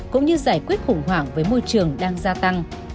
cũng như giải quyết khủng hoảng với môi trường đang gia tăng